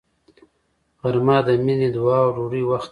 غرمه د مینې، دعا او ډوډۍ وخت دی